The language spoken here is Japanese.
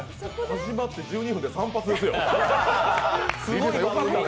始まって１２分で散髪ですよ。